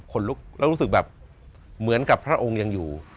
ลุกแล้วรู้สึกแบบเหมือนกับพระองค์ยังอยู่